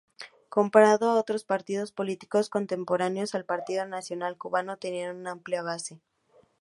Comparado a otros partidos políticos contemporáneos, el Partido Nacional Cubano tenían una amplia base.